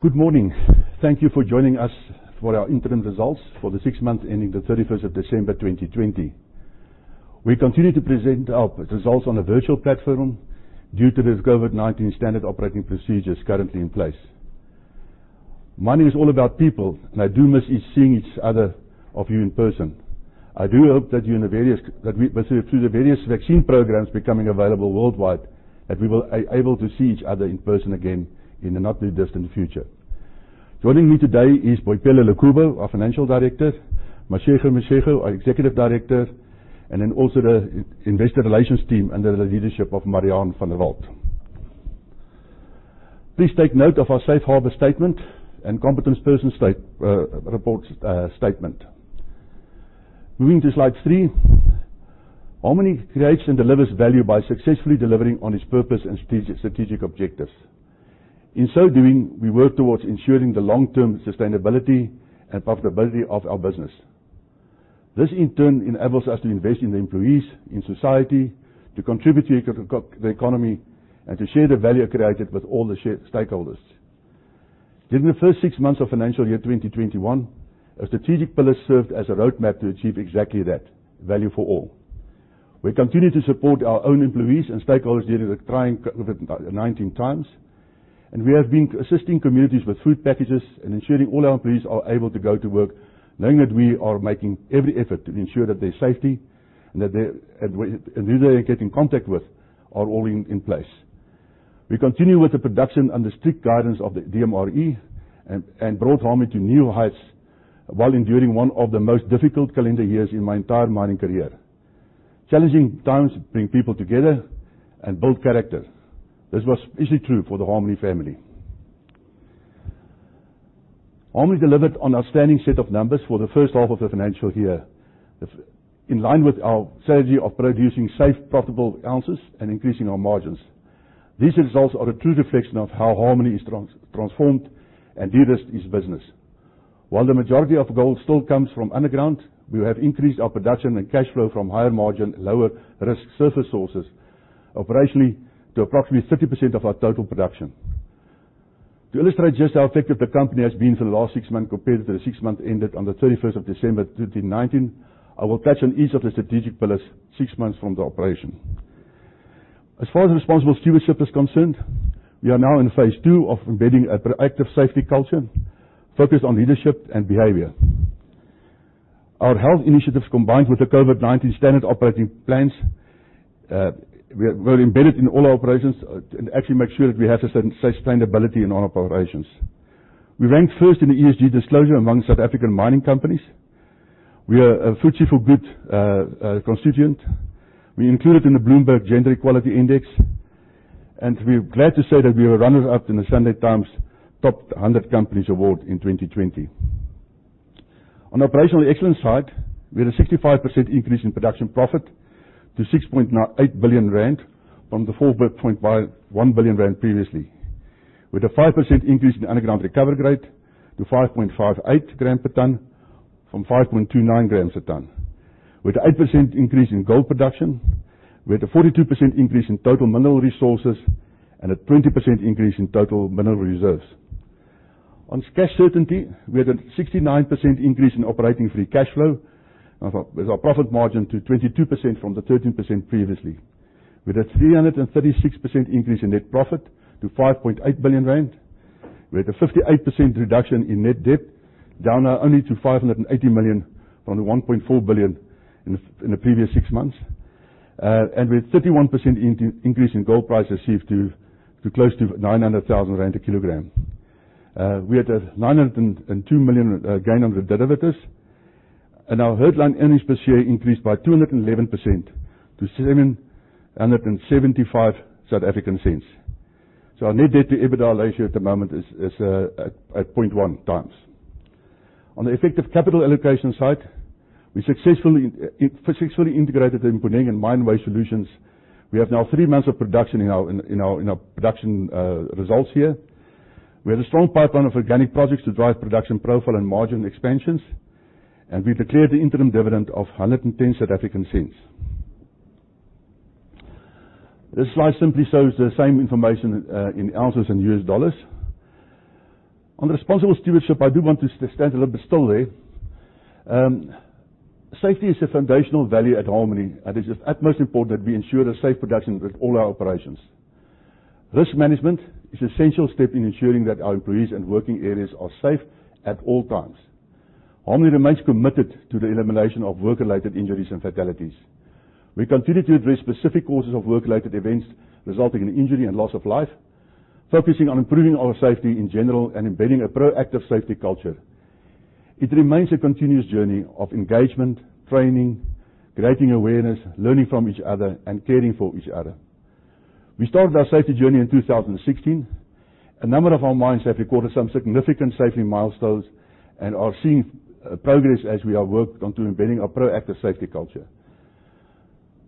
Good morning. Thank you for joining us for our interim results for the six months ending the 31st of December 2020. We continue to present our results on a virtual platform due to the COVID-19 standard operating procedures currently in place. Mining is all about people. I do miss seeing each other of you in person. I do hope that through the various vaccine programs becoming available worldwide, that we will be able to see each other in person again in the not-too-distant future. Joining me today is Boipelo Lekubo, our Financial Director, Mashego Mashego, our Executive Director, then also the investor relations team under the leadership of Marian van der Walt. Please take note of our safe harbor statement and competent person statement. Moving to slide three. Harmony creates and delivers value by successfully delivering on its purpose and strategic objectives. In so doing, we work towards ensuring the long-term sustainability and profitability of our business. This, in turn, enables us to invest in the employees, in society, to contribute to the economy, and to share the value created with all the stakeholders. During the first six months of financial year 2021, our strategic pillars served as a roadmap to achieve exactly that, value for all. We continue to support our own employees and stakeholders during the trying COVID-19 times, and we have been assisting communities with food packages and ensuring all our employees are able to go to work knowing that we are making every effort to ensure that their safety and who they get in contact with are all in place. We continue with the production under strict guidance of the DMRE and brought Harmony to new heights while enduring one of the most difficult calendar years in my entire mining career. Challenging times bring people together and build character. This was especially true for the Harmony family. Harmony delivered an outstanding set of numbers for the first half of the financial year. In line with our strategy of producing safe, profitable ounces and increasing our margins. These results are a true reflection of how Harmony has transformed and de-risked its business. While the majority of gold still comes from underground, we have increased our production and cash flow from higher margin, lower risk surface sources operationally to approximately 30% of our total production. To illustrate just how effective the company has been for the last six months compared to the six months ended on the 31st of December 2019, I will touch on each of the strategic pillars six months from the operation. As far as responsible stewardship is concerned, we are now in phase 2 of embedding a proactive safety culture focused on leadership and behavior. Our health initiatives, combined with the COVID-19 standard operating plans, were embedded in all our operations and actually make sure that we have sustainability in all our operations. We ranked first in ESG disclosure among South African mining companies. We are a FTSE4Good constituent. We included in the Bloomberg Gender-Equality Index, and we are glad to say that we are runners-up in the "Sunday Times" Top 100 Companies Award in 2020. On operational excellence side, we had a 65% increase in production profit to 6.8 billion rand from the 4.1 billion rand previously, with a 5% increase in underground recovery grade to 5.58 grams per ton from 5.29 grams per ton. We had an 8% increase in gold production. We had a 42% increase in total mineral resources and a 20% increase in total mineral reserves. On cash certainty, we had a 69% increase in operating free cash flow with our profit margin to 22% from the 13% previously. We had a 336% increase in net profit to 5.8 billion rand. We had a 58% reduction in net debt, down now only to 580 million from the 1.4 billion in the previous six months. With a 31% increase in gold price achieved to close to 900,000 rand a kilogram. We had a 902 million gain on the derivatives. Our headline earnings per share increased by 211% to 7.75. Our net debt to EBITDA ratio at the moment is at 0.1 times. On the effective capital allocation side, we successfully integrated the Mponeng and Mine Waste Solutions. We have now three months of production in our production results here. We have a strong pipeline of organic projects to drive production profile and margin expansions. We declared the interim dividend of 1.10. This slide simply shows the same information in ounces and U.S. dollars. On responsible stewardship, I do want to stand a little bit still there. Safety is a foundational value at Harmony. It is of utmost importance that we ensure a safe production with all our operations. Risk management is an essential step in ensuring that our employees and working areas are safe at all times. Harmony remains committed to the elimination of work-related injuries and fatalities. We continue to address specific causes of work-related events resulting in injury and loss of life, focusing on improving our safety in general and embedding a proactive safety culture. It remains a continuous journey of engagement, training, creating awareness, learning from each other, and caring for each other. We started our safety journey in 2016. A number of our mines have recorded some significant safety milestones and are seeing progress as we have worked onto embedding a proactive safety culture.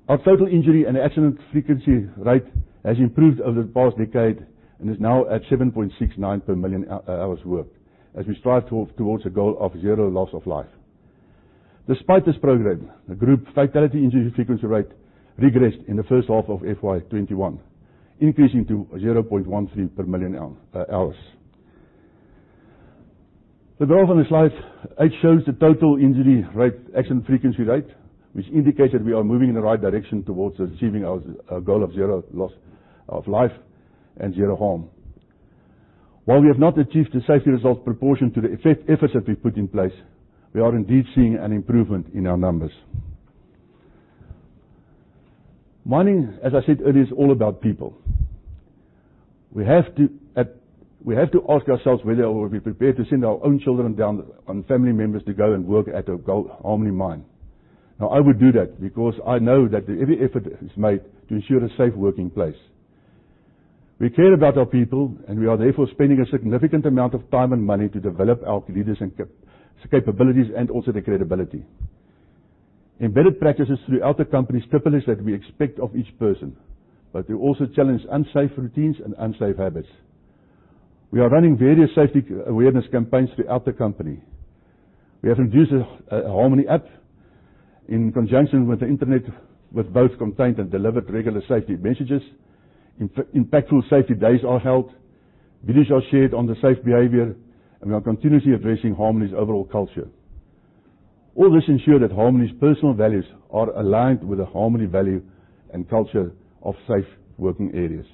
Our total injury and accident frequency rate has improved over the past decade and is now at 7.69 per million hours worked as we strive towards a goal of zero loss of life. Despite this progress, the group fatality injury frequency rate regressed in the first half of FY 2021, increasing to 0.13 per million hours. The graph on this slide, it shows the total injury rate, accident frequency rate, which indicates that we are moving in the right direction towards achieving our goal of zero loss of life and zero harm. While we have not achieved the safety results proportion to the efforts that we've put in place, we are indeed seeing an improvement in our numbers. Mining, as I said earlier, is all about people. We have to ask ourselves whether we would be prepared to send our own children and family members to go and work at a Harmony mine. Now, I would do that because I know that every effort is made to ensure a safe working place. We care about our people, and we are therefore spending a significant amount of time and money to develop our leaders' capabilities and also their credibility. Embedded practices throughout the company, strictness is that we expect of each person, but we also challenge unsafe routines and unsafe habits. We are running various safety awareness campaigns throughout the company. We have introduced a Harmony app in conjunction with the internet, with both contained and delivered regular safety messages. Impactful safety days are held, videos are shared on the safe behavior, and we are continuously addressing Harmony's overall culture. All this ensure that Harmony's personal values are aligned with the Harmony value and culture of safe working areas.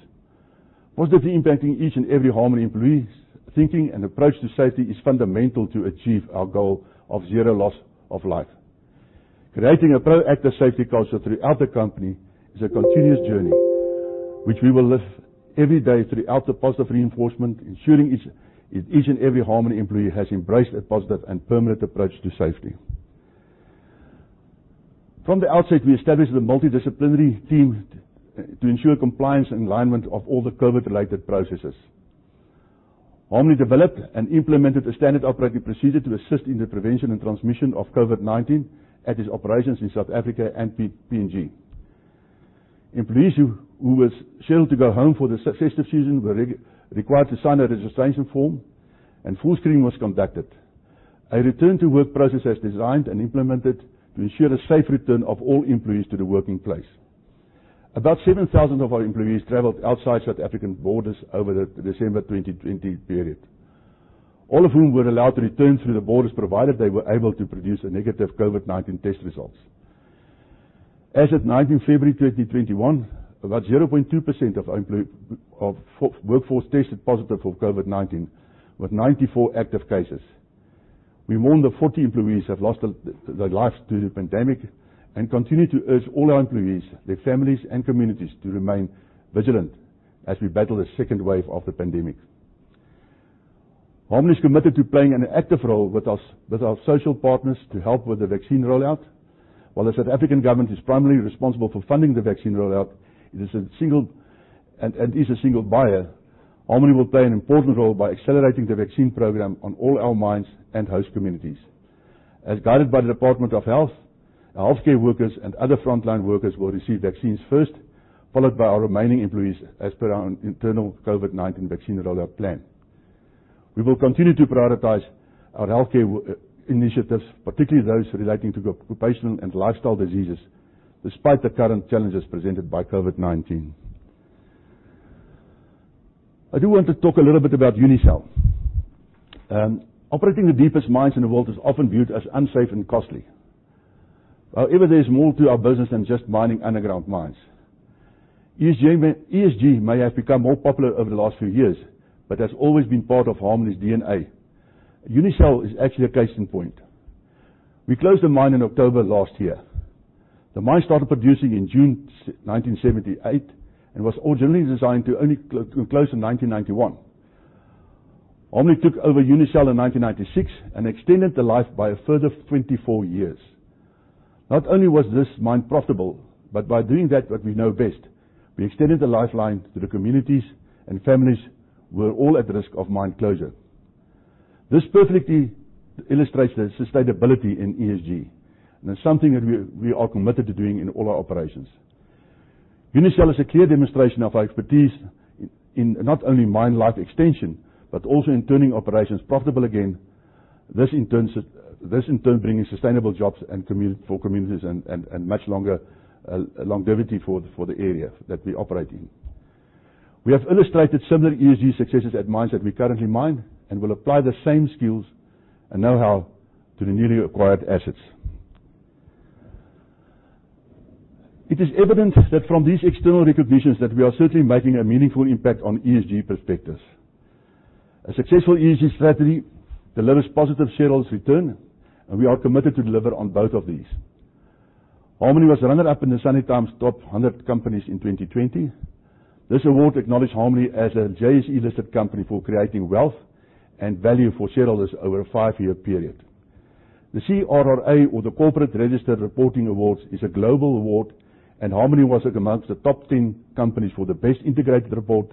Positively impacting each and every Harmony employee's thinking and approach to safety is fundamental to achieve our goal of zero loss of life. Creating a proactive safety culture throughout the company is a continuous journey which we will live every day throughout the positive reinforcement, ensuring each and every Harmony employee has embraced a positive and permanent approach to safety. From the outset, we established the multidisciplinary team to ensure compliance and alignment of all the COVID-related processes. Harmony developed and implemented a standard operating procedure to assist in the prevention and transmission of COVID-19 at its operations in South Africa and PNG. Employees who were scheduled to go home for the festive season were required to sign a registration form, and full screening was conducted. A return-to-work process was designed and implemented to ensure the safe return of all employees to the working place. About 7,000 of our employees traveled outside South African borders over the December 2020 period, all of whom were allowed to return through the borders, provided they were able to produce negative COVID-19 test results. As at 19 February 2021, about 0.2% of workforce tested positive for COVID-19, with 94 active cases. We mourn the 40 employees who have lost their life to the pandemic and continue to urge all our employees, their families, and communities to remain vigilant as we battle the second wave of the pandemic. Harmony is committed to playing an active role with our social partners to help with the vaccine rollout. While the South African government is primarily responsible for funding the vaccine rollout and is a single buyer, Harmony will play an important role by accelerating the vaccine program on all our mines and host communities. As guided by the Department of Health, our healthcare workers and other frontline workers will receive vaccines first, followed by our remaining employees, as per our internal COVID-19 vaccine rollout plan. We will continue to prioritize our healthcare initiatives, particularly those relating to occupational and lifestyle diseases, despite the current challenges presented by COVID-19. I do want to talk a little bit about Unisel. Operating the deepest mines in the world is often viewed as unsafe and costly. There is more to our business than just mining underground mines. ESG may have become more popular over the last few years, but has always been part of Harmony's DNA. Unisel is actually a case in point. We closed the mine in October last year. The mine started producing in June 1978 and was originally designed to only close in 1991. Harmony took over Unisel in 1996 and extended the life by a further 24 years. Not only was this mine profitable, by doing that what we know best, we extended the lifeline to the communities and families who were all at risk of mine closure. This perfectly illustrates the sustainability in ESG. It's something that we are committed to doing in all our operations. Unisel is a clear demonstration of our expertise in not only mine life extension, but also in turning operations profitable again, this in turn bringing sustainable jobs for communities and much longevity for the area that we operate in. We have illustrated similar ESG successes at mines that we currently mine and will apply the same skills and know-how to the newly acquired assets. It is evident from these external recognitions that we are certainly making a meaningful impact on ESG perspectives. A successful ESG strategy delivers positive shareholders return, and we are committed to deliver on both of these. Harmony was runner-up in the Sunday Times Top 100 Companies in 2020. This award acknowledged Harmony as a JSE-listed company for creating wealth and value for shareholders over a five-year period. The CRRA, or the CR Reporting Awards, is a global award, and Harmony was amongst the top 10 companies for the best integrated report,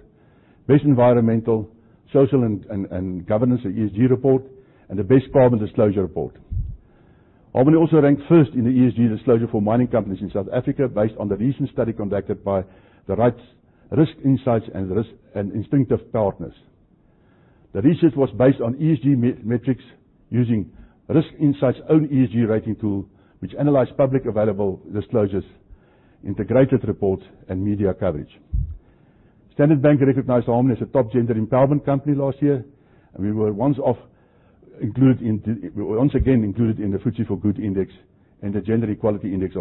best environmental, social, and governance ESG report, and the best carbon disclosure report. Harmony also ranked first in the ESG disclosure for mining companies in South Africa based on the recent study conducted by the Risk Insights and Instinctif Partners. The research was based on ESG metrics using Risk Insights' own ESG rating tool, which analyzed public available disclosures, integrated reports, and media coverage. Standard Bank recognized Harmony as a top gender empowerment company last year, and we were once again included in the FTSE4Good Index and the Bloomberg Gender-Equality Index.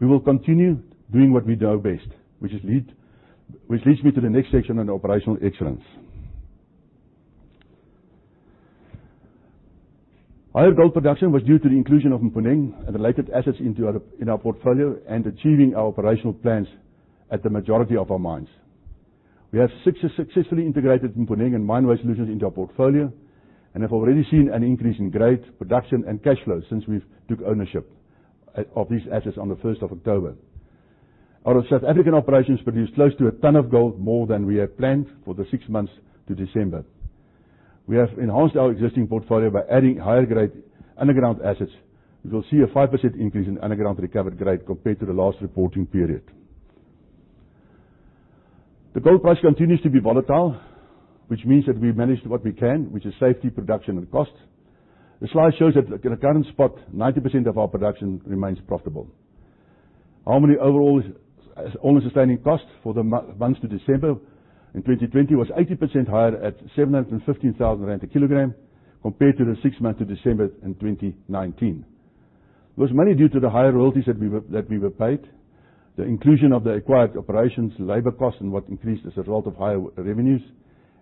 We will continue doing what we do our best, which leads me to the next section on operational excellence. Higher gold production was due to the inclusion of Mponeng and related assets in our portfolio and achieving our operational plans at the majority of our mines. We have successfully integrated Mponeng and Mine Waste Solutions into our portfolio and have already seen an increase in grade, production, and cash flow since we took ownership of these assets on the 1st of October. Our South African operations produced close to one ton of gold, more than we had planned for the six months to December. We have enhanced our existing portfolio by adding higher-grade underground assets, which will see a 5% increase in underground recovered grade compared to the last reporting period. The gold price continues to be volatile, which means that we manage what we can, which is safety, production, and cost. The slide shows that at the current spot, 90% of our production remains profitable. Harmony overall's All-in sustaining costs for the months to December in 2020 was 80% higher at 715,000 rand a kilogram compared to the six months to December in 2019. It was mainly due to the higher royalties that we were paid, the inclusion of the acquired operations, labor costs, and what increased as a result of higher revenues,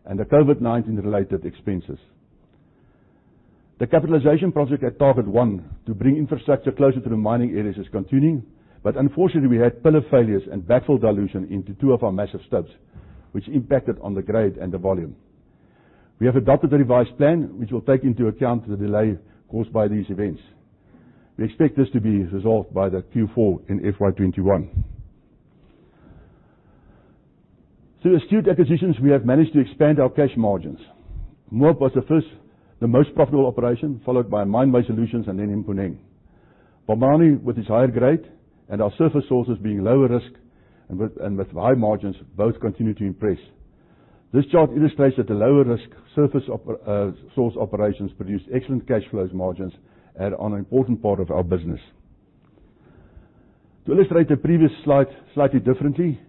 and the COVID-19 related expenses. The capitalization project at Target 1 to bring infrastructure closer to the mining areas is continuing, but unfortunately, we had pillar failures and backfill dilution into two of our massive stuffs, which impacted on the grade and the volume. We have adopted a revised plan, which will take into account the delay caused by these events. We expect this to be resolved by the Q4 in FY 2021. Through astute acquisitions, we have managed to expand our cash margins. Moab Khotsong was the first, the most profitable operation, followed by Mine Waste Solutions and then Mponeng. Bambanani with its higher grade and our surface sources being lower risk and with high margins, both continue to impress. This chart illustrates that the lower risk surface source operations produce excellent cash flows margins and are an important part of our business. To illustrate the previous slide slightly differently,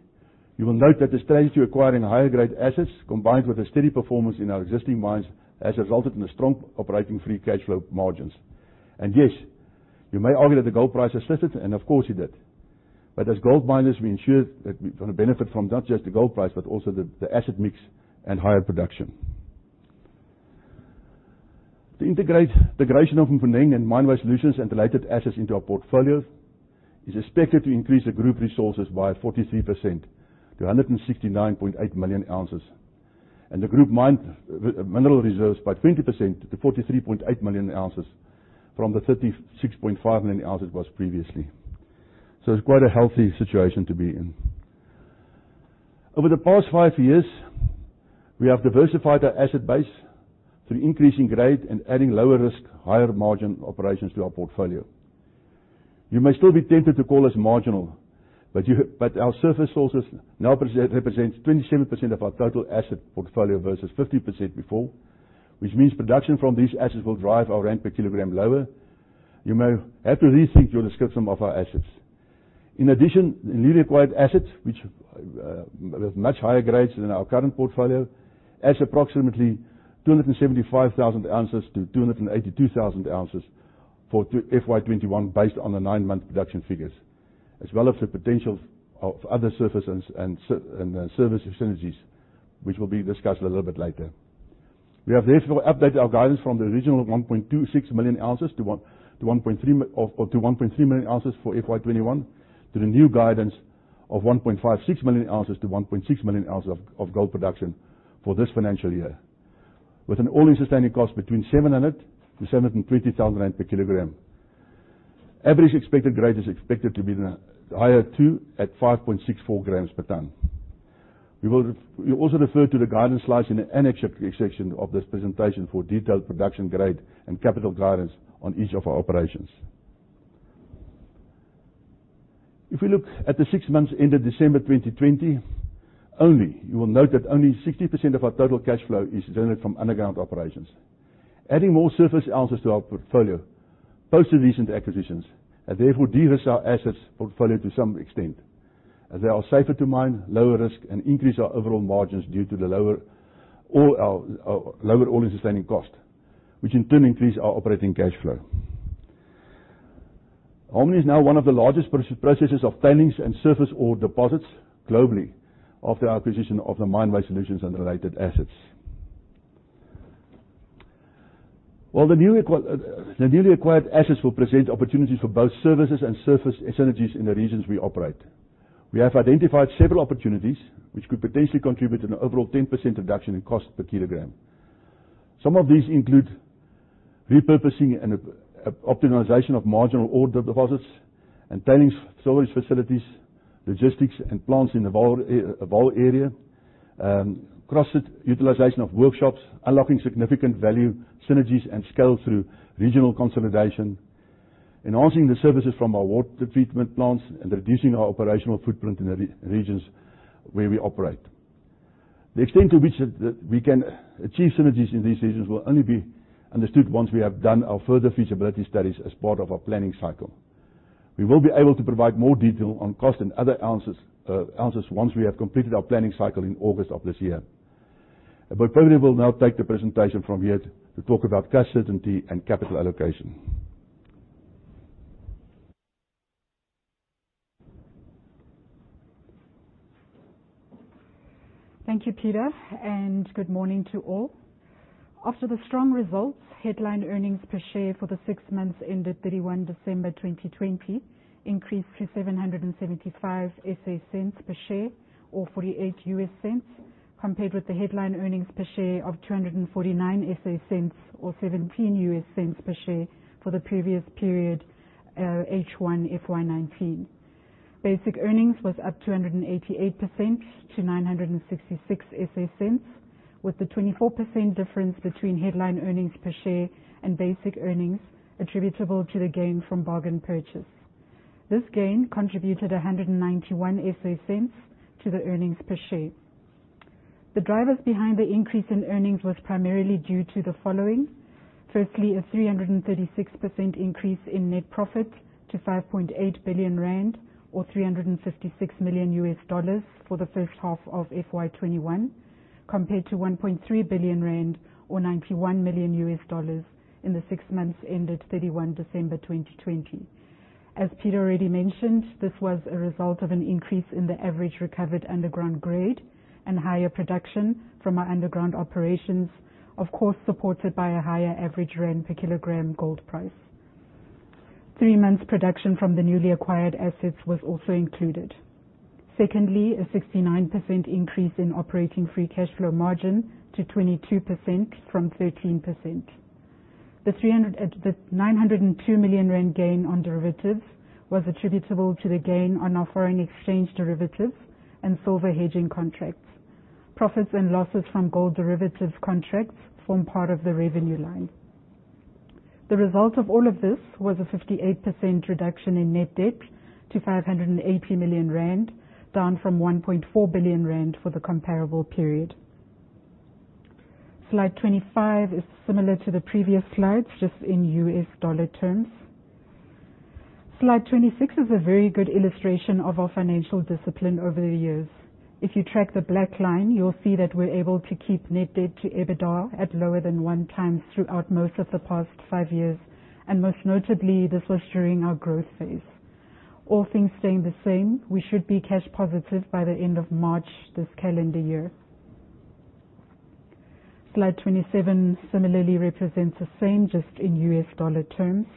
you will note that the strategy of acquiring higher grade assets combined with a steady performance in our existing mines has resulted in strong operating free cash flow margins. Yes, you may argue that the gold price has shifted, and of course it did. As gold miners, we ensure that we benefit from not just the gold price, but also the asset mix and higher production. The integration of Mponeng and Mine Waste Solutions and related assets into our portfolios is expected to increase the group resources by 43% to 169.8 million ounces, and the group mineral reserves by 20% to 43.8 million ounces from the 36.5 million ounces it was previously. It's quite a healthy situation to be in. Over the past five years, we have diversified our asset base through increasing grade and adding lower risk, higher margin operations to our portfolio. You may still be tempted to call us marginal, our surface sources now represent 27% of our total asset portfolio versus 15% before, which means production from these assets will drive our rand per kilogram lower. You may have to rethink your description of our assets. In addition, the newly acquired assets, which with much higher grades than our current portfolio, adds approximately 275,000 ounces to 282,000 ounces for FY 2021 based on the nine-month production figures, as well as the potential of other surface and service synergies, which will be discussed a little bit later. We have therefore updated our guidance from the original 1.26 million ounces to 1.3 million ounces for FY 2021 to the new guidance of 1.56 million ounces to 1.6 million ounces of gold production for this financial year, with an all-in sustaining costs between 700,000-720,000 rand per kilogram. Average expected grade is expected to be higher too at 5.64 grams per ton. We also refer to the guidance slides in the annex section of this presentation for detailed production grade and capital guidance on each of our operations. If we look at the six months ended December 2020, you will note that only 60% of our total cash flow is generated from underground operations. Adding more surface ounces to our portfolio, post the recent acquisitions, has therefore de-risked our assets portfolio to some extent, as they are safer to mine, lower risk, and increase our overall margins due to the lower All-in sustaining costs, which in turn increase our operating cash flow. Harmony is now one of the largest processors of tailings and surface ore deposits globally after our acquisition of the Mine Waste Solutions and related assets. While the newly acquired assets will present opportunities for both services and surface synergies in the regions we operate. We have identified several opportunities which could potentially contribute an overall 10% reduction in cost per kilogram. Some of these include repurposing and optimization of marginal ore deposits and tailings storage facilities, logistics and plants in the Vaal area, cross utilization of workshops, unlocking significant value, synergies, and scale through regional consolidation. Enhancing the services from our water treatment plants and reducing our operational footprint in the regions where we operate. The extent to which we can achieve synergies in these regions will only be understood once we have done our further feasibility studies as part of our planning cycle. We will be able to provide more detail on cost and other answers once we have completed our planning cycle in August of this year. Boipelo will now take the presentation from here to talk about cash certainty and capital allocation. Thank you, Peter, and good morning to all. After the strong results, headline earnings per share for the six months ended 31 December 2020 increased to 7.75 per share or $0.48, compared with the headline earnings per share of 2.49 or $0.17 per share for the previous period, H1 FY 2019. Basic earnings was up 288% to 9.66, with the 24% difference between headline earnings per share and basic earnings attributable to the gain from bargain purchase. This gain contributed 1.91 to the earnings per share. The drivers behind the increase in earnings was primarily due to the following. Firstly, a 336% increase in net profit to 5.8 billion rand, or $356 million for the first half of FY 2021, compared to 1.3 billion rand, or $91 million, in the six months ended 31 December 2020. As Peter already mentioned, this was a result of an increase in the average recovered underground grade and higher production from our underground operations, of course, supported by a higher average rand per kilogram gold price. Three months' production from the newly acquired assets was also included. Secondly, a 69% increase in operating free cash flow margin to 22% from 13%. The 902 million rand gain on derivatives was attributable to the gain on our foreign exchange derivatives and silver hedging contracts. Profits and losses from gold derivatives contracts form part of the revenue line. The result of all of this was a 58% reduction in net debt to 580 million rand, down from 1.4 billion rand for the comparable period. Slide 25 is similar to the previous slides, just in U.S. dollar terms. Slide 26 is a very good illustration of our financial discipline over the years. If you track the black line, you'll see that we're able to keep net debt to EBITDA at lower than one times throughout most of the past five years, and most notably, this was during our growth phase. All things staying the same, we should be cash positive by the end of March this calendar year. Slide 27 similarly represents the same, just in U.S. dollar terms.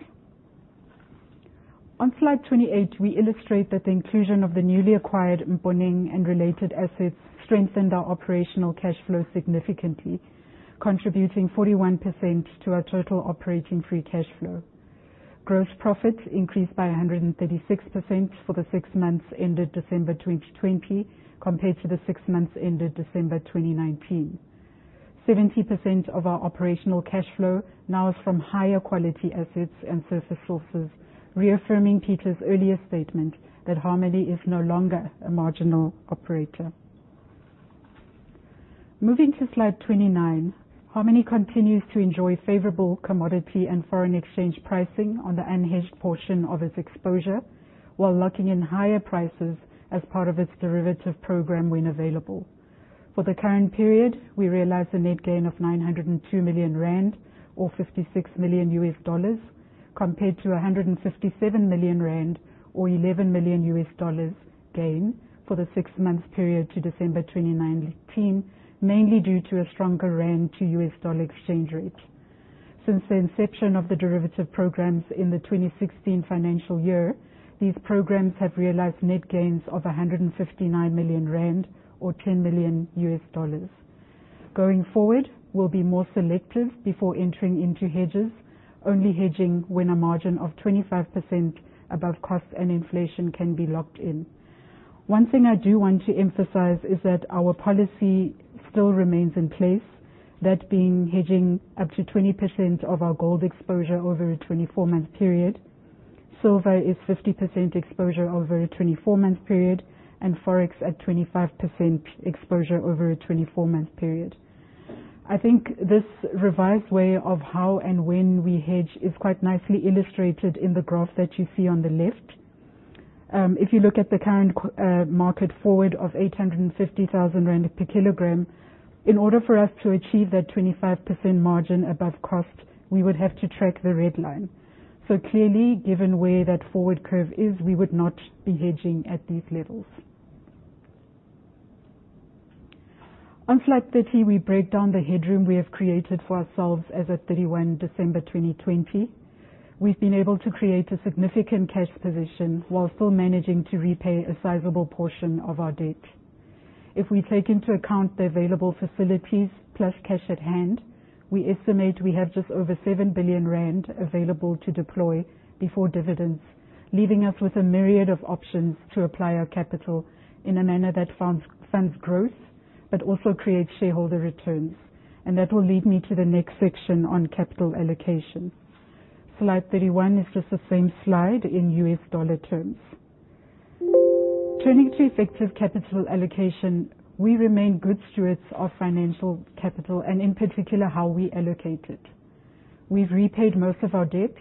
On slide 28, we illustrate that the inclusion of the newly acquired Mponeng and related assets strengthened our operational cash flow significantly, contributing 41% to our total operating free cash flow. Gross profits increased by 136% for the six months ended December 2020 compared to the six months ended December 2019. 70% of our operational cash flow now is from higher quality assets and surface sources, reaffirming Peter's earlier statement that Harmony is no longer a marginal operator. Moving to slide 29, Harmony continues to enjoy favorable commodity and foreign exchange pricing on the unhedged portion of its exposure, while locking in higher prices as part of its derivative program when available. For the current period, we realized a net gain of 902 million rand, or $56 million, compared to 157 million rand, or $11 million gain for the six-month period to December 2019, mainly due to a stronger rand to U.S. dollar exchange rate. Since the inception of the derivative programs in the 2016 financial year, these programs have realized net gains of 159 million rand, or $10 million. Going forward, we will be more selective before entering into hedges, only hedging when a margin of 25% above cost and inflation can be locked in. One thing I do want to emphasize is that our policy still remains in place. That being hedging up to 20% of our gold exposure over a 24-month period. Silver is 50% exposure over a 24-month period, and Forex at 25% exposure over a 24-month period. I think this revised way of how and when we hedge is quite nicely illustrated in the graph that you see on the left. If you look at the current market forward of 850,000 rand per kilogram, in order for us to achieve that 25% margin above cost, we would have to track the red line. Clearly, given where that forward curve is, we would not be hedging at these levels. On slide 30, we break down the headroom we have created for ourselves as at 31 December 2020. We’ve been able to create a significant cash position while still managing to repay a sizable portion of our debt. If we take into account the available facilities plus cash at hand, we estimate we have just over 7 billion rand available to deploy before dividends, leaving us with a myriad of options to apply our capital in a manner that funds growth but also create shareholder returns. That will lead me to the next section on capital allocation. Slide 31 is just the same slide in U.S. dollar terms. Turning to effective capital allocation, we remain good stewards of financial capital, and in particular, how we allocate it. We've repaid most of our debt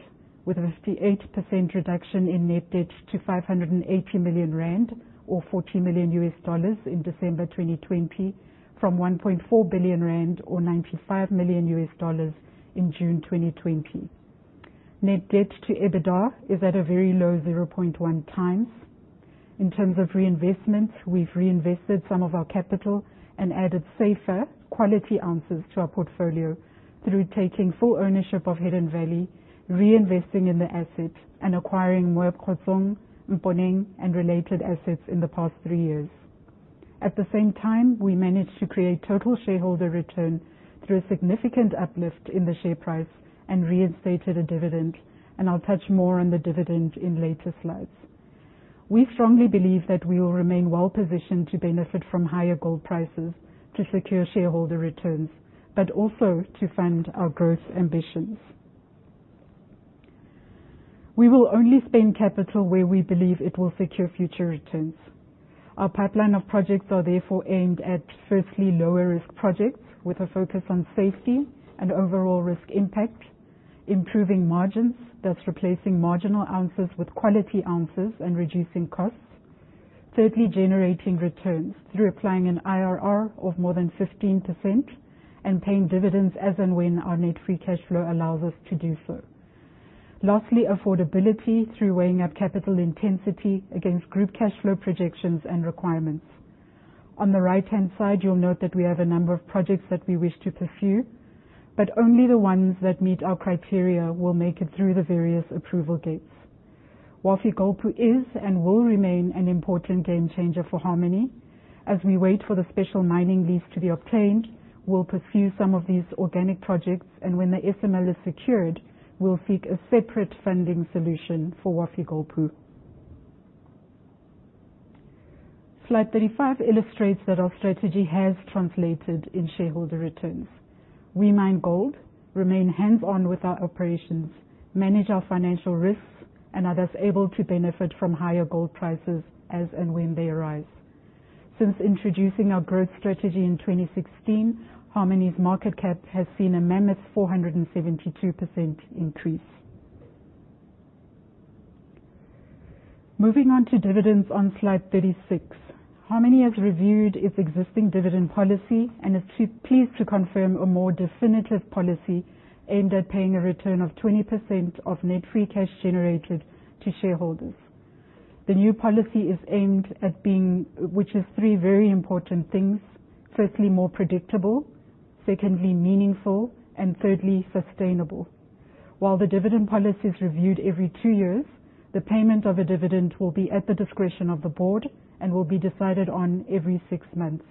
with a 58% reduction in net debt to 580 million rand, or $40 million in December 2020, from 1.4 billion rand, or $95 million in June 2020. Net debt to EBITDA is at a very low 0.1x. In terms of reinvestments, we've reinvested some of our capital and added safer quality ounces to our portfolio through taking full ownership of Hidden Valley, reinvesting in the asset, and acquiring Moab Khotsong, Mponeng, and related assets in the past three years. At the same time, we managed to create total shareholder return through a significant uplift in the share price and reinstated a dividend. I'll touch more on the dividend in later slides. We strongly believe that we will remain well-positioned to benefit from higher gold prices to secure shareholder returns, but also to fund our growth ambitions. We will only spend capital where we believe it will secure future returns. Our pipeline of projects are therefore aimed at, firstly, lower risk projects with a focus on safety and overall risk impact, improving margins, thus replacing marginal ounces with quality ounces and reducing costs. Thirdly, generating returns through applying an IRR of more than 15% and paying dividends as and when our net free cash flow allows us to do so. Lastly, affordability through weighing up capital intensity against group cash flow projections and requirements. On the right-hand side, you'll note that we have a number of projects that we wish to pursue, but only the ones that meet our criteria will make it through the various approval gates. Wafi-Golpu is and will remain an important game changer for Harmony. As we wait for the Special Mining Lease to be obtained, we'll pursue some of these organic projects, and when the SML is secured, we'll seek a separate funding solution for Wafi-Golpu. Slide 35 illustrates that our strategy has translated in shareholder returns. We mine gold, remain hands-on with our operations, manage our financial risks, and are thus able to benefit from higher gold prices as and when they arise. Since introducing our growth strategy in 2016, Harmony's market cap has seen a mammoth 472% increase. Moving on to dividends on Slide 36. Harmony has reviewed its existing dividend policy and is pleased to confirm a more definitive policy aimed at paying a return of 20% of net free cash generated to shareholders. The new policy is aimed at being, which is three very important things, firstly, more predictable, secondly, meaningful, and thirdly, sustainable. While the dividend policy is reviewed every two years, the payment of a dividend will be at the discretion of the board and will be decided on every six months.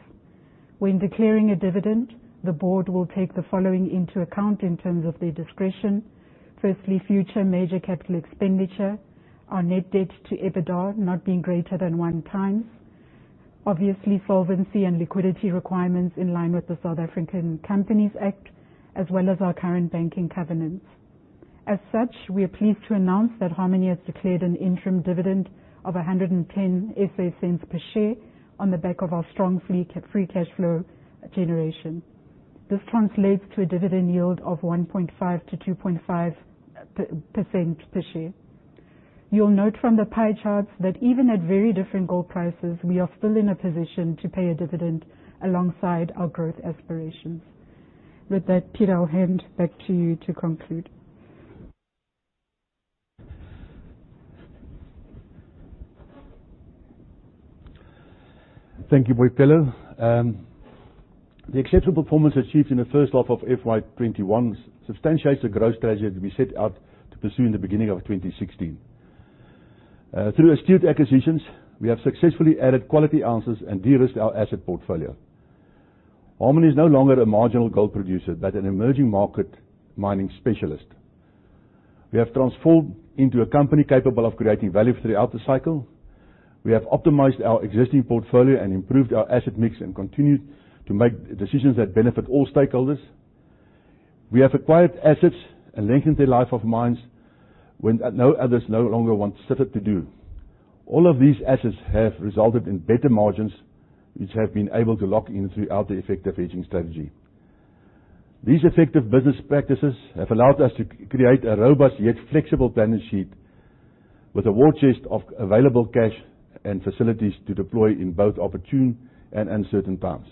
When declaring a dividend, the board will take the following into account in terms of their discretion. Firstly, future major capital expenditure, our net debt to EBITDA not being greater than one times. Obviously, solvency and liquidity requirements in line with the South African Companies Act, as well as our current banking covenants. As such, we are pleased to announce that Harmony has declared an interim dividend of 1.10 per share on the back of our strong free cash flow generation. This translates to a dividend yield of 1.5%-2.5% per share. You'll note from the pie charts that even at very different gold prices, we are still in a position to pay a dividend alongside our growth aspirations. With that, Peter, I'll hand back to you to conclude. Thank you, Boipelo. The exceptional performance achieved in the first half of FY21 substantiates the growth strategy that we set out to pursue in the beginning of 2016. Through astute acquisitions, we have successfully added quality ounces and de-risked our asset portfolio. Harmony is no longer a marginal gold producer, but an emerging market mining specialist. We have transformed into a company capable of creating value throughout the cycle. We have optimized our existing portfolio and improved our asset mix and continued to make decisions that benefit all stakeholders. We have acquired assets and lengthened the life of mines when others no longer want to suffer to do. All of these assets have resulted in better margins, which have been able to lock in throughout the effective hedging strategy. These effective business practices have allowed us to create a robust yet flexible balance sheet with a war chest of available cash and facilities to deploy in both opportune and uncertain times.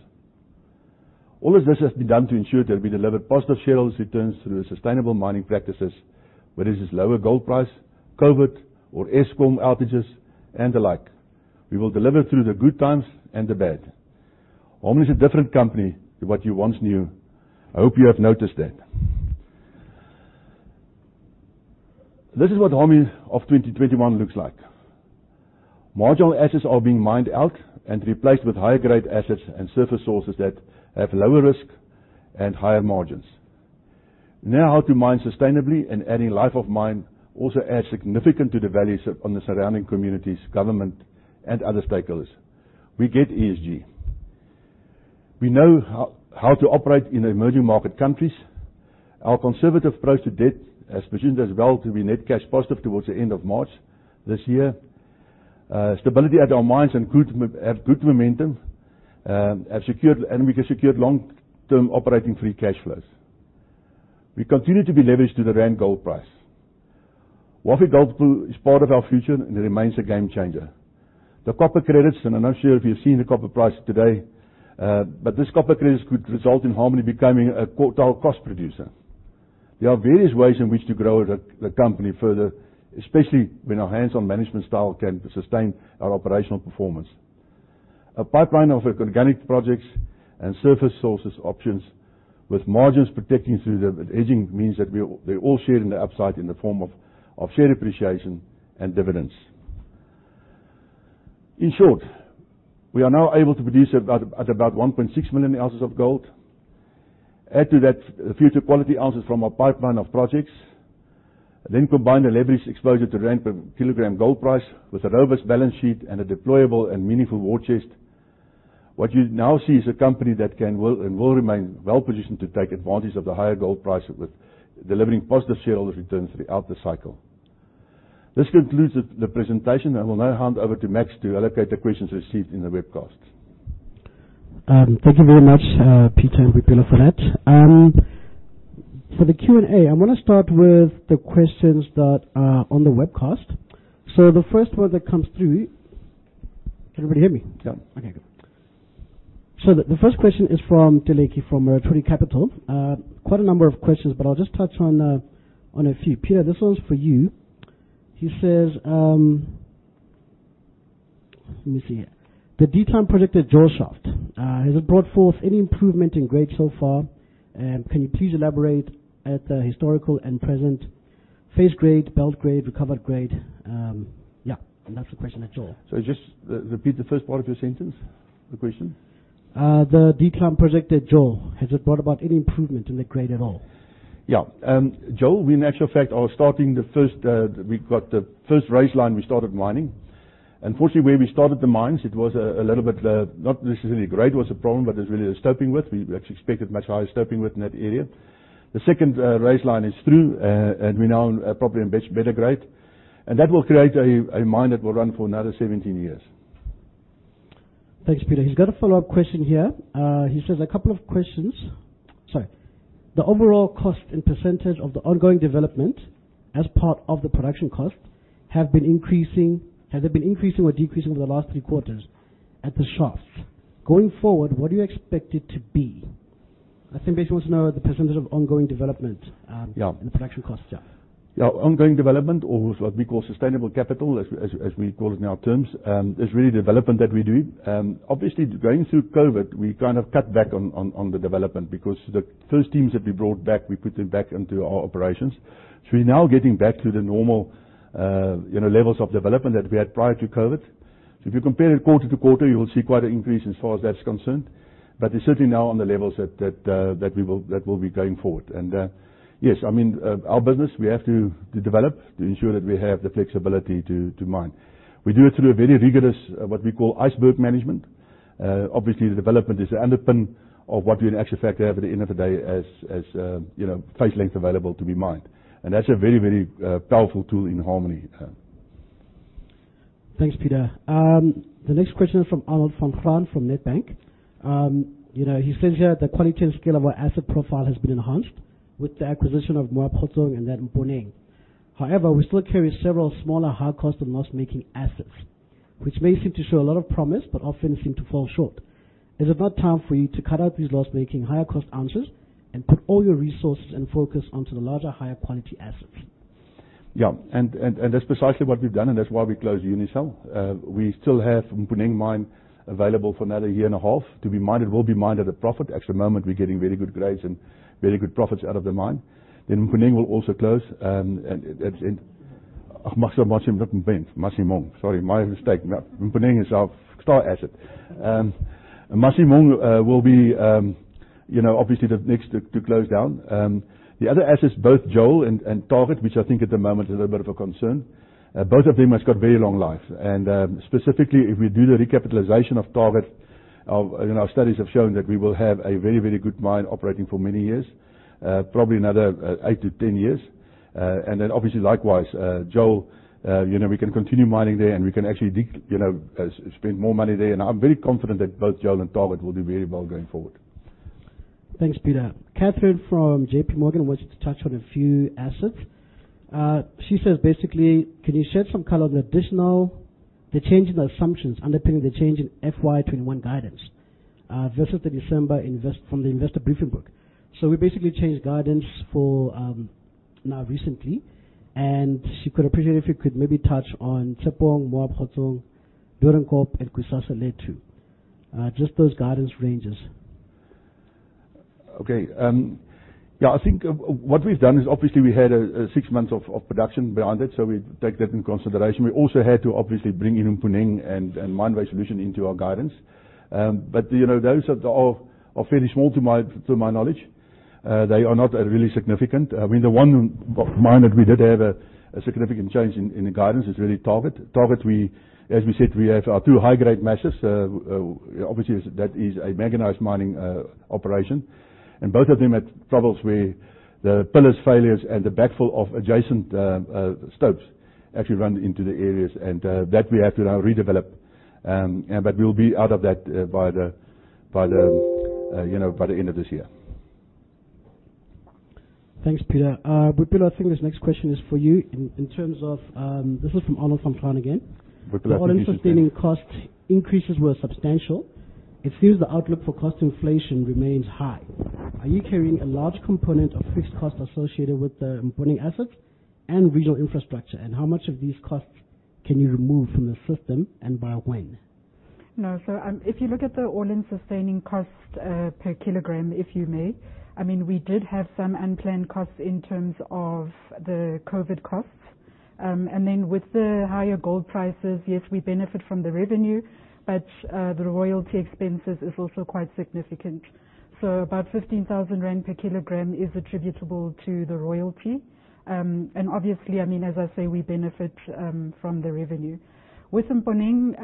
All of this has been done to ensure that we deliver positive shareholders' returns through sustainable mining practices, whether it is lower gold price, COVID, or Eskom outages, and the like. We will deliver through the good times and the bad. Harmony is a different company to what you once knew. I hope you have noticed that. This is what Harmony of 2021 looks like. Marginal assets are being mined out and replaced with higher-grade assets and surface sources that have lower risk and higher margins. Know how to mine sustainably and adding life of mine also adds significant to the values on the surrounding communities, government, and other stakeholders. We get ESG. We know how to operate in emerging market countries. Our conservative approach to debt has positioned us well to be net cash positive towards the end of March this year. Stability at our mines and have good momentum, and we can secure long-term operating free cash flows. We continue to be leveraged to the rand gold price. Wafi-Golpu is part of our future and remains a game changer. The copper credits, and I'm not sure if you've seen the copper price today, but this copper credit could result in Harmony becoming a quartile cost producer. There are various ways in which to grow the company further, especially when our hands-on management style can sustain our operational performance. A pipeline of organic projects and surface sources options with margins protecting through the hedging means that they all share in the upside in the form of share appreciation and dividends. In short, we are now able to produce at about 1.6 million ounces of gold. Add to that future quality ounces from our pipeline of projects. Combine the leveraged exposure to rand per kilogram gold price with a robust balance sheet and a deployable and meaningful war chest. What you now see is a company that can and will remain well-positioned to take advantage of the higher gold price, with delivering positive shareholder returns throughout the cycle. This concludes the presentation. I will now hand over to Max to allocate the questions received in the webcast. Thank you very much, Peter and Boipelo, for that. For the Q&A, I want to start with the questions that are on the webcast. The first one that comes through. Can everybody hear me? Yeah. Okay, good. The first question is from Adeleke from Rotary Capital. Quite a number of questions, but I'll just touch on a few. Peter, this one's for you. He says, let me see here. "The decline project at Joel Shaft, has it brought forth any improvement in grade so far? Can you please elaborate at the historical and present phase grade, belt grade, recovered grade?" Yeah. That's the question at Joel. Sorry, just repeat the first part of your sentence. The question. The decline project at Joel, has it brought about any improvement in the grade at all? Yeah. Joel, We've got the first raise line we started mining. Unfortunately, where we started the mines, it was a little bit, not necessarily grade was a problem, but it was really the stopping width. We actually expected much higher stopping width in that area. The second raise line is through, and we're now probably in much better grade. That will create a mine that will run for another 17 years. Thanks, Peter. He's got a follow-up question here. He says a couple of questions. Sorry. "The overall cost and percentage of the ongoing development as part of the production cost have been increasing. Have they been increasing or decreasing over the last three quarters at the shaft? Going forward, what do you expect it to be?" I think basically wants to know the percentage of ongoing development. Yeah Production costs. Yeah. Yeah. Ongoing development or what we call sustainable capital, as we call it in our terms, is really development that we do. Obviously, going through COVID, we kind of cut back on the development because the first teams that we brought back, we put them back into our operations. We're now getting back to the normal levels of development that we had prior to COVID. If you compare it quarter to quarter, you will see quite an increase as far as that's concerned. It's certainly now on the levels that will be going forward. Yes, I mean, our business, we have to develop to ensure that we have the flexibility to mine. We do it through a very rigorous, what we call Iceberg Model. Obviously, the development is the underpin of what we in actual fact have at the end of the day as face length available to be mined. That's a very, very powerful tool in Harmony. Thanks, Peter. The next question is from Arnold Van Graan from Nedbank. He says here, "The quality and scale of our asset profile has been enhanced with the acquisition of Moab Khotsong and then Mponeng. We still carry several smaller, higher cost and loss-making assets, which may seem to show a lot of promise but often seem to fall short. Is it not time for you to cut out these loss-making, higher cost assets and put all your resources and focus onto the larger, higher quality assets?". Yeah. That's precisely what we've done, and that's why we closed Unisel. We still have Mponeng mine available for another year and a half to be mined. It will be mined at a profit. At the moment, we're getting very good grades and very good profits out of the mine. Mponeng will also close. Sorry, my mistake. Mponeng is our star asset. Masimong will be obviously the next to close down. The other assets, both Joel and Target, which I think at the moment is a little bit of a concern. Both of them has got very long life. Specifically, if we do the recapitalization of Target, our studies have shown that we will have a very, very good mine operating for many years, probably another 8-10 years. Obviously, likewise, Joel, we can continue mining there and we can actually spend more money there. I'm very confident that both Joel and Target will do very well going forward. Thanks, Peter. Catherine from J.P. Morgan wanted to touch on a few assets. She says, basically, "Can you shed some color on the additional, the change in the assumptions underpinning the change in FY 2021 guidance versus the December from the investor briefing book?" We basically changed guidance for now recently, and she could appreciate if you could maybe touch on Tshepong, Wafi-Golpu, Doornkop, and Kusasalethu. Just those guidance ranges. I think what we've done is obviously we had a six months of production behind it, we take that into consideration. We also had to obviously bring in Mponeng and Mine Waste Solutions into our guidance. Those are fairly small to my knowledge. They are not really significant. I mean, the one mine that we did have a significant change in guidance is really Target. Target, as we said, we have our two high-grade measures. That is a mechanized mining operation. Both of them had troubles where the pillars failures and the backfill of adjacent stopes actually run into the areas, and that we have to now redevelop. We'll be out of that by the end of this year. Thanks, Peter. Boipelo, I think this next question is for you. This is from Arnold Van Graan again. Boipelo, please. The all-in sustaining cost increases were substantial. It seems the outlook for cost inflation remains high. Are you carrying a large component of fixed costs associated with the Mponeng assets and regional infrastructure? How much of these costs can you remove from the system, and by when? No. If you look at the All-in sustaining costs per kilogram, if you may. We did have some unplanned costs in terms of the COVID-19 costs. With the higher gold prices, yes, we benefit from the revenue, the royalty expenses is also quite significant. About 15,000 rand per kilogram is attributable to the royalty. Obviously, as I say, we benefit from the revenue. With Mponeng,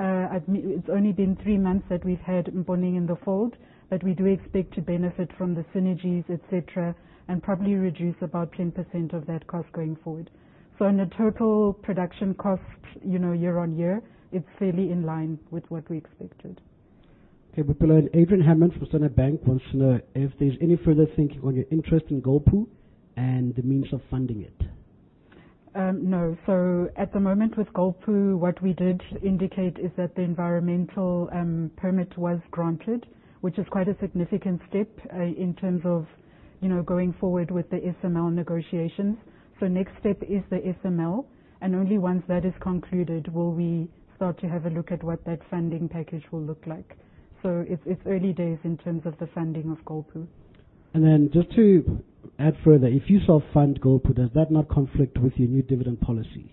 it's only been three months that we've had Mponeng in the fold. We do expect to benefit from the synergies, et cetera, and probably reduce about 10% of that cost going forward. On a total production cost, year-over-year, it's fairly in line with what we expected. Okay, Boipelo. Adrian Hammond from Standard Bank wants to know if there's any further thinking on your interest in Wafi-Golpu and the means of funding it. No. At the moment with Golpu, what we did indicate is that the environmental permit was granted, which is quite a significant step in terms of going forward with the SML negotiations. Next step is the SML, and only once that is concluded will we start to have a look at what that funding package will look like. It's early days in terms of the funding of Golpu. Just to add further, if you self-fund Golpu, does that not conflict with your new dividend policy?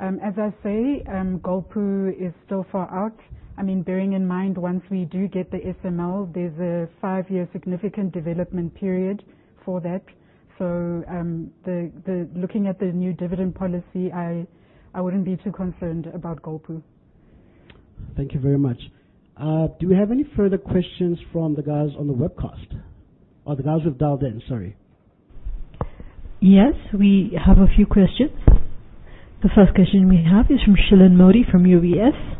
As I say, Golpu is still far out. I mean, bearing in mind, once we do get the SML, there's a five-year significant development period for that. Looking at the new dividend policy, I wouldn't be too concerned about Golpu. Thank you very much. Do we have any further questions from the guys on the webcast or the guys who've dialed in, sorry? Yes, we have a few questions. The first question we have is from Shilan Modi from UBS.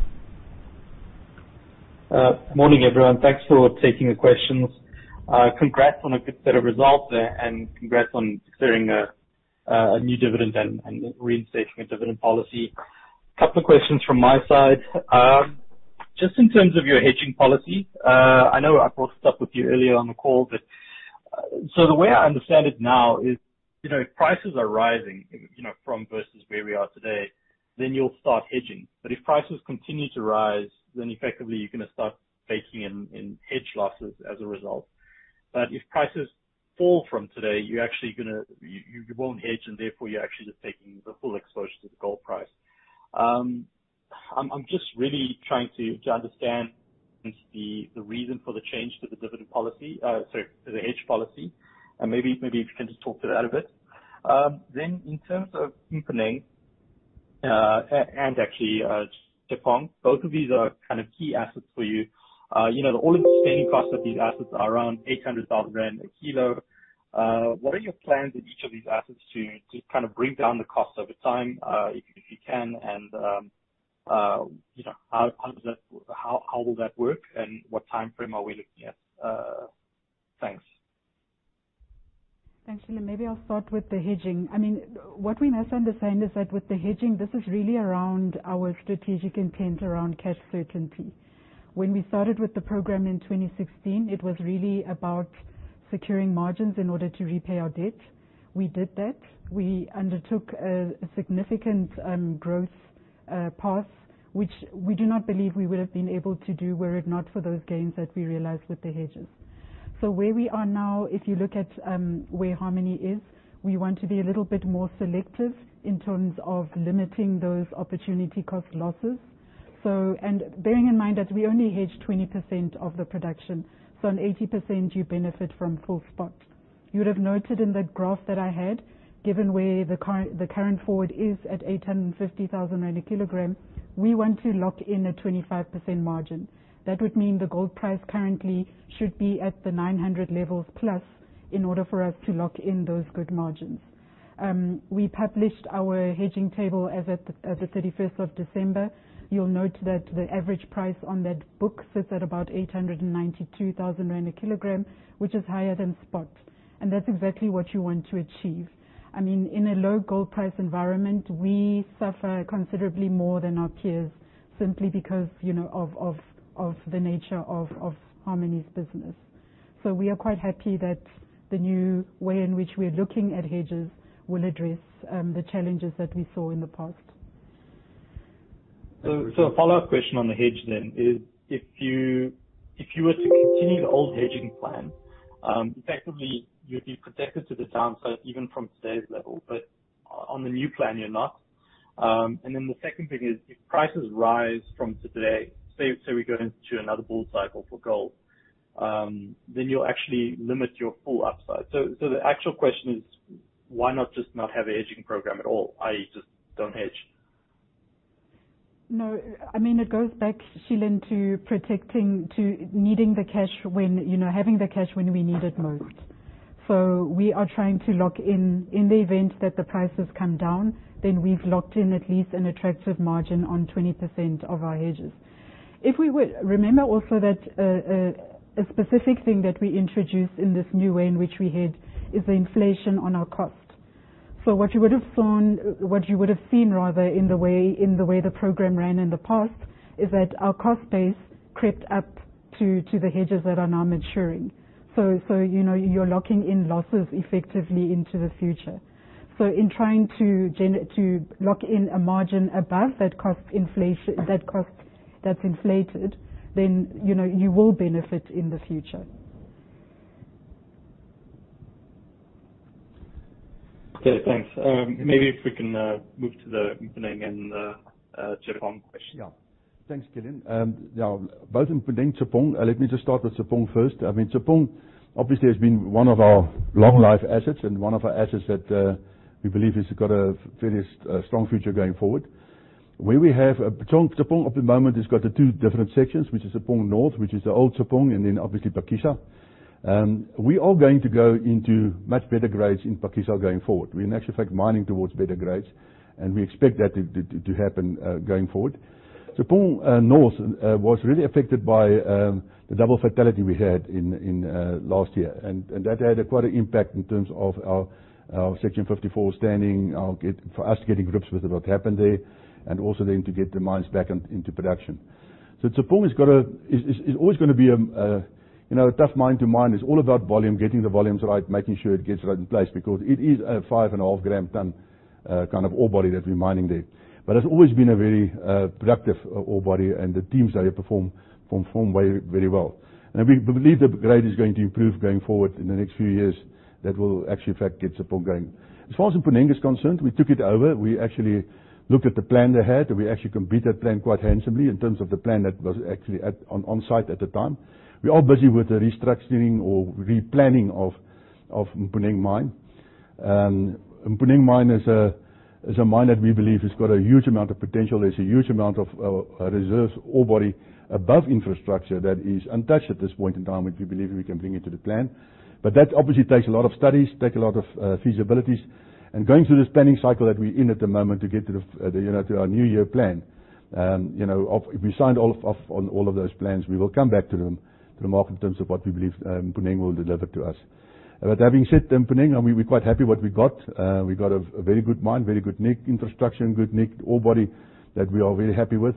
Morning, everyone. Thanks for taking the questions. Congrats on a good set of results there, and congrats on declaring a new dividend and reinstating a dividend policy. Couple of questions from my side. Just in terms of your hedging policy, I know I brought this up with you earlier on the call, but so the way I understand it now is, if prices are rising from versus where we are today, then you'll start hedging. If prices continue to rise, then effectively you're going to start taking in hedge losses as a result. If prices fall from today, you won't hedge, and therefore you're actually just taking the full exposure to the gold price. I'm just really trying to understand the reason for the change to the hedge policy, and maybe if you can just talk to that a bit. In terms of Mponeng and actually TauTona, both of these are kind of key assets for you. The All-in sustaining costs of these assets are around 800,000 rand per kg. What are your plans in each of these assets to kind of bring down the cost over time, if you can, and how will that work, and what timeframe are we looking at? Thanks. Thanks, Shilan. Maybe I'll start with the hedging. I mean, what we must understand is that with the hedging, this is really around our strategic intent around cash certainty. When we started with the program in 2016, it was really about securing margins in order to repay our debt. We did that. We undertook a significant growth path, which we do not believe we would have been able to do were it not for those gains that we realized with the hedges. Where we are now, if you look at where Harmony is, we want to be a little bit more selective in terms of limiting those opportunity cost losses. Bearing in mind that we only hedge 20% of the production, so on 80% you benefit from full spot. You would have noted in the graph that I had, given where the current forward is at 850,000 rand a kilogram, we want to lock in a 25% margin. That would mean the gold price currently should be at the 900 levels plus in order for us to lock in those good margins. We published our hedging table as at the 31st of December. You'll note that the average price on that book sits at about 892,000 rand a kilogram, which is higher than spot. That's exactly what you want to achieve. I mean, in a low gold price environment, we suffer considerably more than our peers simply because of the nature of Harmony's business. We are quite happy that the new way in which we're looking at hedges will address the challenges that we saw in the past. A follow-up question on the hedge then is, if you were to continue the old hedging plan, effectively you would be protected to the downside even from today's level. On the new plan, you are not. The second thing is, if prices rise from today, say, we go into another bull cycle for gold, then you will actually limit your full upside. The actual question is, why not just not have a hedging program at all, i.e., just don't hedge? No. It goes back, Shilan, to needing the cash having the cash when we need it most. We are trying to lock in the event that the prices come down, then we've locked in at least an attractive margin on 20% of our hedges. Remember also that a specific thing that we introduced in this new way in which we hedge is the inflation on our cost. What you would've seen, rather, in the way the program ran in the past is that our cost base crept up to the hedges that are now maturing. You're locking in losses effectively into the future. In trying to lock in a margin above that cost that's inflated, then you will benefit in the future. Okay, thanks. Maybe if we can move to the Mponeng and the Tshepong question. Yeah. Thanks, Shilan. Both Mponeng, Tshepong. Let me just start with Tshepong first. Tshepong obviously has been one of our long-life assets and one of our assets that we believe has got a very strong future going forward. Tshepong at the moment has got the two different sections, which is Tshepong North, which is the old Tshepong, and then obviously Phakisa. We are going to go into much better grades in Phakisa going forward. We can actually take mining towards better grades, and we expect that to happen going forward. Tshepong North was really affected by the double fatality we had in last year, and that had quite an impact in terms of our Section 54 standing, for us getting grips with what happened there, and also then to get the mines back into production. Tshepong is always gonna be a tough mine to mine. It's all about volume, getting the volumes right, making sure it gets right in place, because it is a five and a half gram ton kind of ore body that we're mining there. It's always been a very productive ore body, and the teams there perform very well. We believe the grade is going to improve going forward in the next few years. That will actually, in fact, get Tshepong going. As far as Mponeng is concerned, we took it over. We actually looked at the plan they had, and we actually completed that plan quite handsomely in terms of the plan that was actually on site at the time. We are busy with the restructuring or replanning of Mponeng mine. Mponeng mine is a mine that we believe has got a huge amount of potential. There's a huge amount of reserves ore body above infrastructure that is untouched at this point in time, which we believe we can bring into the plan. That obviously takes a lot of studies, takes a lot of feasibilities. Going through this planning cycle that we're in at the moment to get to our new year plan. If we signed off on all of those plans, we will come back to them, to the market in terms of what we believe Mponeng will deliver to us. That being said, Mponeng, we're quite happy what we got. We got a very good mine, very good nick, infrastructure in good nick, ore body that we are very happy with.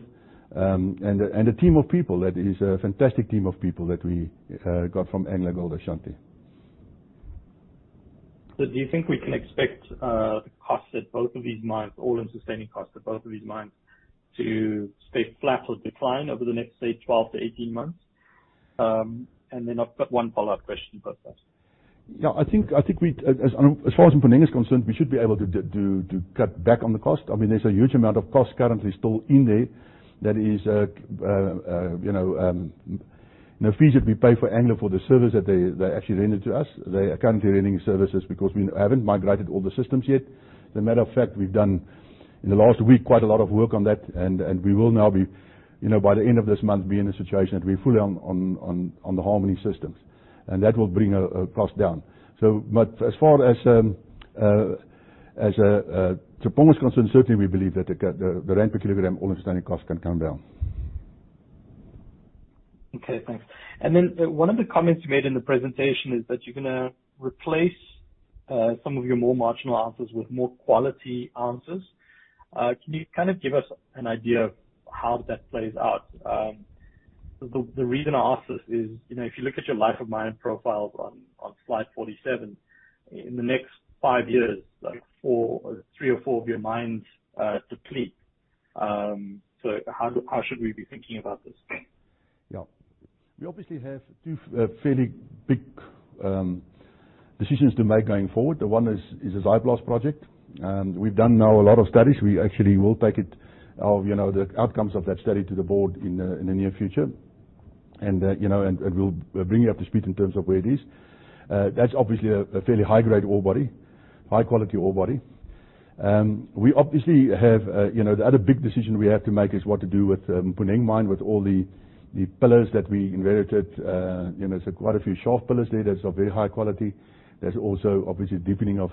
A team of people that is a fantastic team of people that we got from AngloGold Ashanti. Do you think we can expect the cost at both of these mines, All-in sustaining costs at both of these mines to stay flat or decline over the next, say, 12 to 18 months? Then I've got one follow-up question after that. Yeah. I think as far as Mponeng is concerned, we should be able to cut back on the cost. There's a huge amount of cost currently still in there that is a fee that we pay for Anglo for the service that they actually rendered to us. They are currently rendering services because we haven't migrated all the systems yet. As a matter of fact, we've done, in the last week, quite a lot of work on that, and we will now be, by the end of this month, be in a situation to be fully on the Harmony systems. That will bring our cost down. As far as Tshepong is concerned, certainly we believe that the rand per kilogram All-in sustaining cost can come down. Okay, thanks. One of the comments you made in the presentation is that you're gonna replace some of your more marginal ounces with more quality ounces. Can you kind of give us an idea of how that plays out? The reason I ask this is, if you look at your life of mine profiles on slide 47, in the next five years, like three or four of your mines deplete. How should we be thinking about this? Yeah. We obviously have two fairly big decisions to make going forward. One is a Zaaiplaats project. We've done now a lot of studies. We actually will take it, the outcomes of that study to the board in the near future. We'll bring you up to speed in terms of where it is. That's obviously a fairly high-grade ore body, high-quality ore body. The other big decision we have to make is what to do with Mponeng mine, with all the pillars that we inherited. There's quite a few shaft pillars there that's of very high quality. There's also obviously deepening of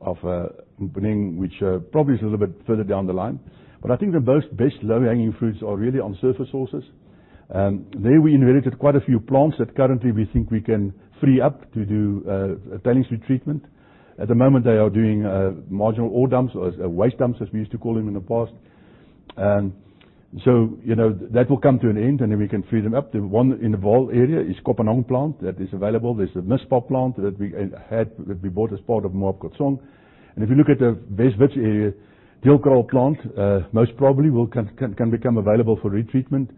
Mponeng, which probably is a little bit further down the line. I think the best low-hanging fruits are really on surface sources. There we inherited quite a few plants that currently we think we can free up to do a tailings retreatment. At the moment, they are doing marginal ore dumps or waste dumps, as we used to call them in the past. That will come to an end, and then we can free them up. The one in the Vaal area is Kopanang plant that is available. There's a Mispah plant that we bought as part of Moab Khotsong. If you look at the West Wits area-Deelkraal plant, most probably can become available for retreatment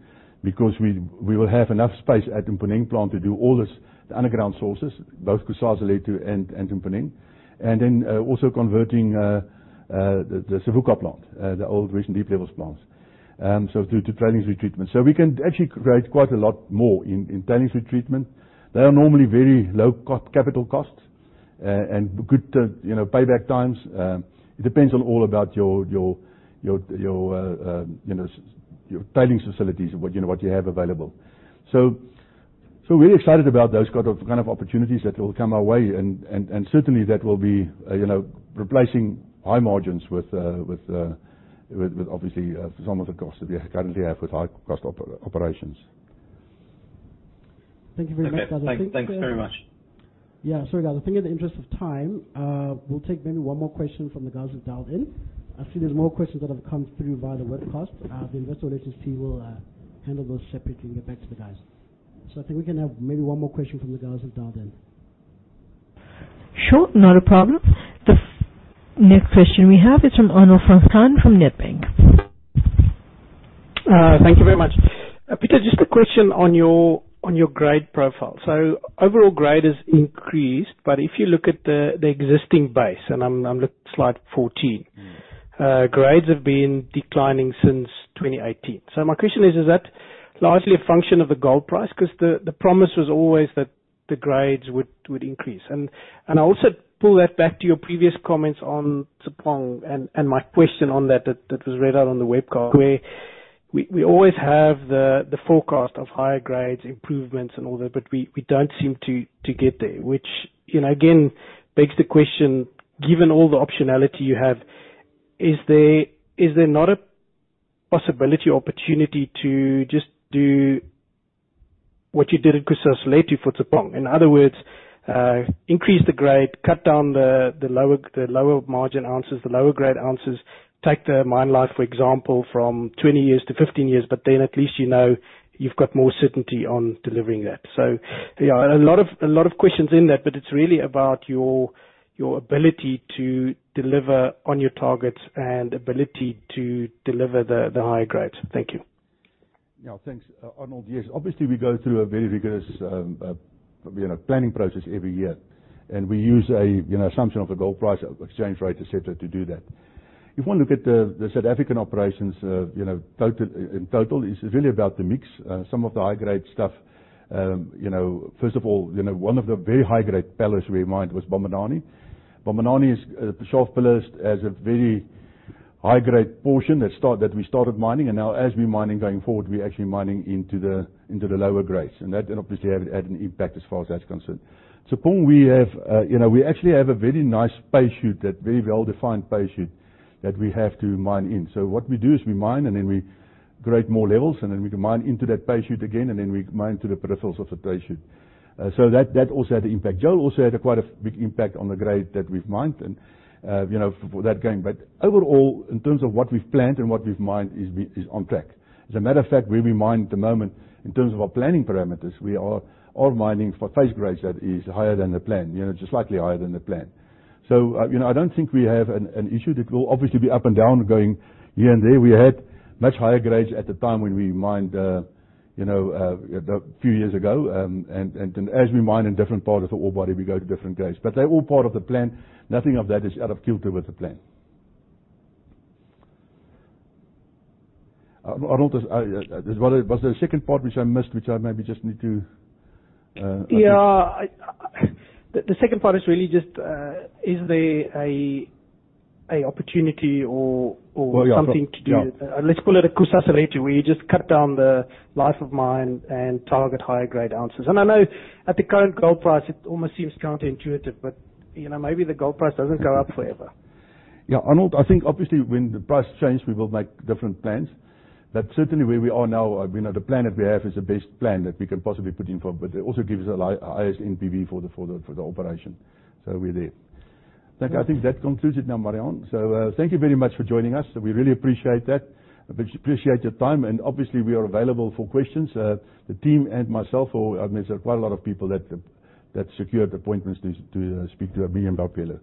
because we will have enough space at Mponeng plant to do all the underground sources, both Kusasalethu and Mponeng. Then also converting the Savuka plant, the old Randfontein Deep plants due to tailings retreatment. We can actually create quite a lot more in tailings retreatment. They are normally very low capital costs and good payback times. It depends on all about your tailings facilities, what you have available. We're excited about those kind of opportunities that will come our way, and certainly that will be replacing high margins with obviously some of the costs that we currently have with high cost operations. Thank you very much, guys. Okay. Thanks very much. Yeah. Sorry, guys. I think in the interest of time, we'll take maybe one more question from the guys who dialed in. I see there's more questions that have come through via the webcast. The investor relations team will handle those separately and get back to the guys. I think we can have maybe one more question from the guys who dialed in. Sure. Not a problem. The next question we have is from Arnold van Graan from Nedbank. Thank you very much. Peter, just a question on your grade profile. Overall grade has increased, but if you look at the existing base, and I'm looking at slide 14. Grades have been declining since 2018. My question is that largely a function of the gold price? Because the promise was always that the grades would increase. And I also pull that back to your previous comments on Tshepong and my question on that was read out on the webcast, where we always have the forecast of higher grades, improvements, and all that, but we don't seem to get there. Which, again, begs the question, given all the optionality you have, is there not a possibility or opportunity to just do what you did in Kusasalethu for Tshepong. In other words, increase the grade, cut down the lower margin ounces, the lower grade ounces, take the mine life, for example, from 20 years to 15 years, but then at least you know you've got more certainty on delivering that. Yeah, a lot of questions in that, but it is really about your ability to deliver on your targets and ability to deliver the higher grades. Thank you. Thanks, Arnold. Obviously, we go through a very rigorous planning process every year, we use an assumption of the gold price, exchange rate, et cetera, to do that. If you want to look at the South African operations in total, it's really about the mix. Some of the high-grade stuff, first of all, one of the very high-grade pillars we mined was Bambanani. Bambanani is a shaft pillars as a very high-grade portion that we started mining, and now as we mining going forward, we're actually mining into the lower grades. That obviously had an impact as far as that's concerned. Tshepong, we actually have a very nice pay shoot, that very well-defined pay shoot that we have to mine in. What we do is we mine and then we create more levels, and then we can mine into that pay shoot again, and then we mine to the peripherals of the pay shoot. That also had an impact. Joel also had a quite a big impact on the grade that we've mined and for that going. Overall, in terms of what we've planned and what we've mined is on track. As a matter of fact, where we mine at the moment, in terms of our planning parameters, we are mining for face grades that is higher than the plan, just slightly higher than the plan. I don't think we have an issue. There will obviously be up and down going here and there. We had much higher grades at the time when we mined a few years ago. As we mine in different parts of the ore body, we go to different grades. They're all part of the plan. Nothing of that is out of kilter with the plan. Arnold, was there a second part which I missed, which I maybe just need to address? Yeah. The second part is really just, is there an opportunity or something to do? Oh, yeah. Let's call it a Kusasalethu, where you just cut down the life of mine and target higher grade ounces. I know at the current gold price, it almost seems counterintuitive, but maybe the gold price doesn't go up forever. Arnold, I think obviously when the price change, we will make different plans. Certainly where we are now, the plan that we have is the best plan that we can possibly put in for, but it also gives us the highest NPV for the operation. We're there. I think that concludes it now, Marian. Thank you very much for joining us. We really appreciate that. Appreciate your time, obviously, we are available for questions. The team and myself, I mean, there's quite a lot of people that secured appointments to speak to at the M&P pillar.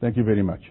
Thank you very much